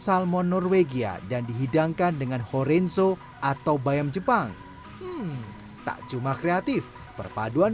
salmon norwegia dan dihidangkan dengan horenzo atau bayam jepang tak cuma kreatif perpaduan